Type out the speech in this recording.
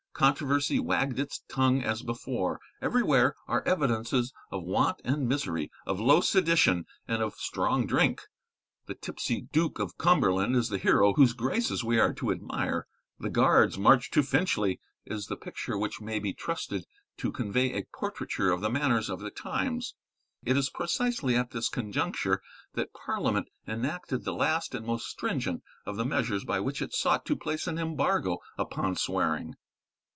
Controversy wagged its tongue as before. Everywhere are evidences of want and misery, of low sedition and of strong drink. The tipsy Duke of Cumberland is the hero whose graces we are to admire. The 'Guards' march to Finchley' is the picture which may be trusted to convey a portraiture of the manners of the times. It is precisely at this conjuncture that Parliament enacted the last and most stringent of the measures by which it sought to place an embargo upon swearing.